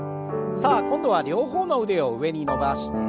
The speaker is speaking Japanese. さあ今度は両方の腕を上に伸ばして。